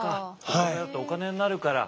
お米だとお金になるから。